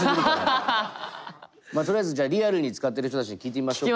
とりあえずじゃあリアルに使ってる人たちに聞いてみましょうか。